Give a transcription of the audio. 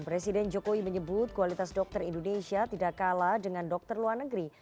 presiden jokowi menyebut kualitas dokter indonesia tidak kalah dengan dokter luar negeri